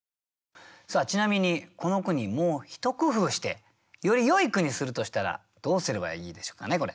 ちなみにこの句にもう一工夫してよりよい句にするとしたらどうすればいいでしょうかねこれ。